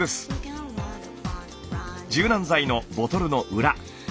柔軟剤のボトルの裏。